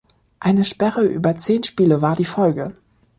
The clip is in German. Eine Sperre über zehn Spiele war die Folge.